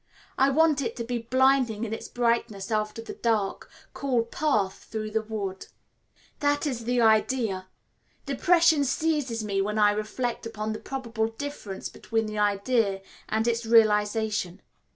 I want it to be blinding in its brightness after the dark, cool path through the wood. That is the idea. Depression seizes me when I reflect upon the probable difference between the idea and its realisation.